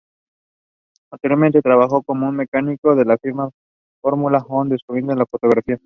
Posteriormente, trabajando como mecánico de la firma Formula One descubrió la fotografía.